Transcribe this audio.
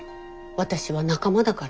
私は仲間だから。